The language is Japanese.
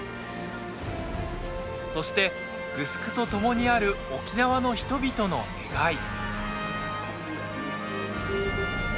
そしてグスクとともにある沖縄の人々の願い。